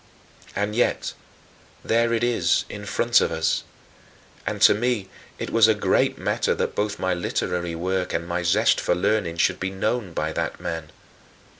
And yet, there it is in front of us. And to me it was a great matter that both my literary work and my zest for learning should be known by that man.